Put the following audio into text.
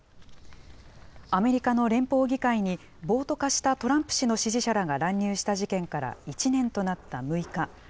アメリカの連邦議会に、暴徒化したトランプ氏の支持者らが乱入した事件から１年となった６日。